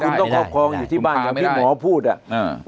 คุณต้องครอบครองอยู่ที่บ้านอย่างที่หมอพูดอ่ะอ่า